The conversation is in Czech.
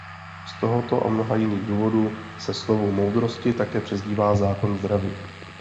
Z tohoto a mnoha jiných důvodů se Slovu moudrosti také přezdívá "Zákon zdraví".